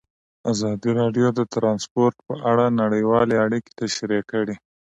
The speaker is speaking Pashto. ازادي راډیو د ترانسپورټ په اړه نړیوالې اړیکې تشریح کړي.